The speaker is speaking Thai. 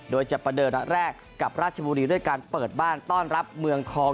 โดยจะประเดิมแรกกับราชบุรีด้วยการเปิดบ้านต้อนรับเมืองทอง